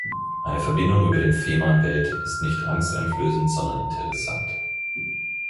Eine Verbindung über den Fehmarnbelt ist nicht angsteinflößend, sondern interessant.